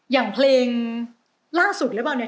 อย่างเพลงล่าสุดหรือเปล่าเนี่ย